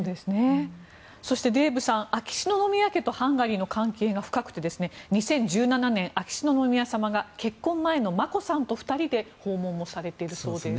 そしてデーブさん秋篠宮家とハンガリーの関係が深くて２０１７年、秋篠宮さまが結婚前の眞子さんと２人で訪問されているそうです。